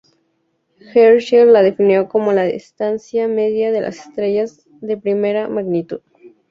Herschel la definió como la distancia media a las estrellas de primera magnitud.